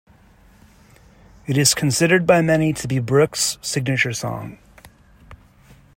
It is considered by many to be Brooks' signature song.